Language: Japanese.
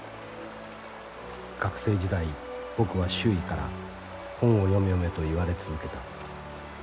学生時代僕は周囲から『本を読め読め』と言われ続けた。